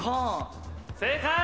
正解！